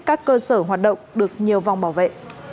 các cơ sở hoạt động được nhiều vòng bảo vệ